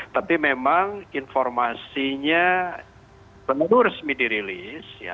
tapi memang informasinya belum resmi dirilis